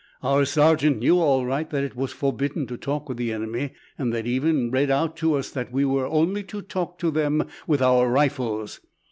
Our sergeant knew all right that it was forbidden to talk with the enemy, and they'd even read it out to us that we were only to talk to them with our rifles.